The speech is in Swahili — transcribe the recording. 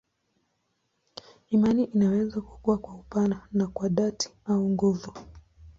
Imani inaweza kukua kwa upana na kwa dhati au nguvu.